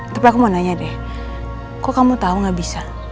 tapi aku mau nanya deh kok kamu tau gak bisa